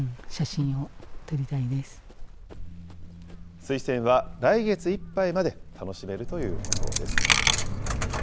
水仙は来月いっぱいまで楽しめるということです。